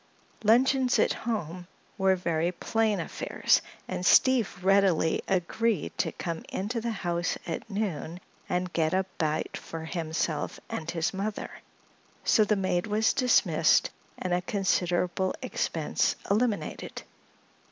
Luncheons at home were very plain affairs and Steve readily agreed to come into the house at noon and get a bite for himself and his mother. So the maid was dismissed and a considerable expense eliminated.